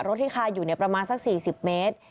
ที่คาอยู่ประมาณสัก๔๐เมตร